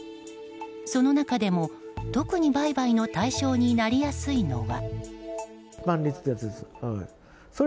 その中でも、特に売買の対象になりやすいのは。